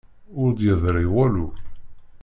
Ur d-yeḍṛi walu.